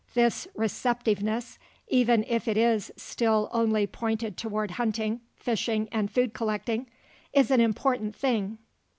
91), this "receptiveness," even if it is still only pointed toward hunting, fishing, and food collecting, is an important thing.